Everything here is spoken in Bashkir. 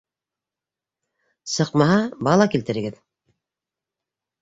Сыҡмаһа, бала килтерегеҙ!